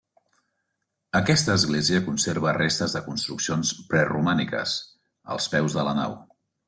Aquesta església conserva restes de construccions preromàniques, als peus de la nau.